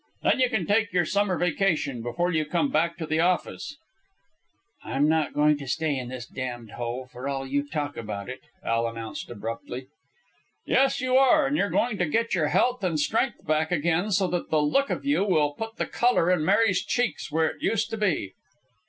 Then you can take your summer vacation before you come back to the office." "I'm not going to stay in this damned hole, for all you talk about it," Al announced abruptly. "Yes you are, and you're going to get your health and strength back again, so that the look of you will put the colour in Mary's cheeks where it used to be."